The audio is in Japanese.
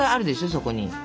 そこに。